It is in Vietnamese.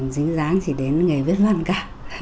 dính dáng gì đến nghề viết văn cả